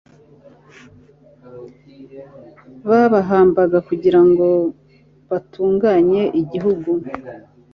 babahamba kugira ngo batunganye igihugu